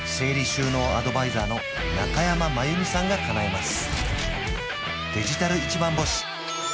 収納アドバイザーの中山真由美さんがかなえます